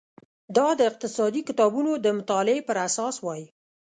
دا د اقتصادي کتابونو د مطالعې پر اساس وای.